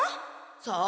さあ？